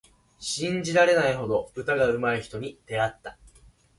信じられないほど歌がうまい人に出会った。